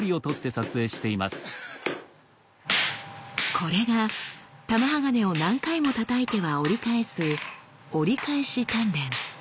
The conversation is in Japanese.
これが玉鋼を何回もたたいては折り返す折り返し鍛錬。